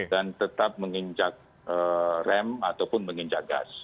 dan tetap menginjak rem ataupun menginjak gas